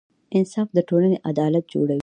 انصاف د ټولنې عدالت جوړوي.